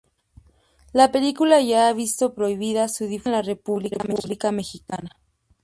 La película ya ha visto prohibida su difusión en la República Dominicana.